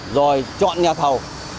rồi chọn nhà thầu